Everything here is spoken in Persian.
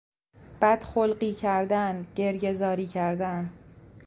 بد خلقی کردن، گریهزاری کردن